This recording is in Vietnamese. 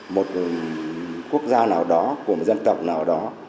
một quốc gia nào đó của một dân tộc nào đó